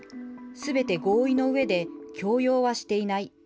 すべて合意のうえで強要はしていない。